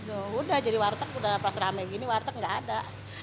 rame nya begini sob gitu udah jadi warteg udah pas rame gini warteg gak ada